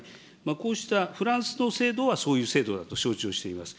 こうした、フランスの制度はそういう制度だと承知をしております。